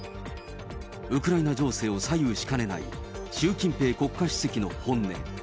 ウクライナ情勢を左右しかねない習近平国家主席の本音。